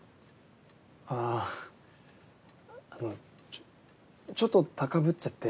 あああのちょっと高ぶっちゃって。